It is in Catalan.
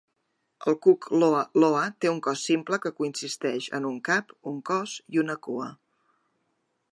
El cuc "loa loa" té un cos simple que consisteix en un cap, un cos i una cua.